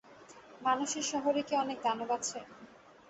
মানুষের শহরে কি অনেক দানব আছে?